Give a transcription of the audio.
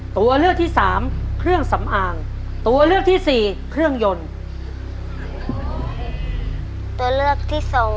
ตัวเลือกที่สามเครื่องสำอางตัวเลือกที่สี่เครื่องยนต์